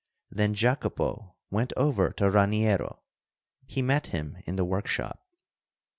Then Jacopo went over to Raniero. He met him in the workshop.